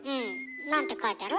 何て書いてある？